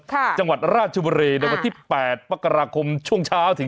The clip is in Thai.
ถูกไม่ถูกเอาไง